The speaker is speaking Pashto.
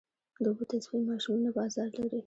د اوبو تصفیې ماشینونه بازار لري؟